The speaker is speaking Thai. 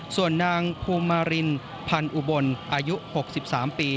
ส่วนนางภูมิมารินพันธ์อุบลอายุ๖๓ปี